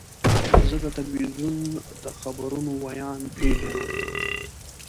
زه د تلویزیون د خبرونو ویاند پیژنم.